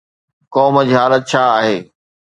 قوم جي حالت ڇا آهي؟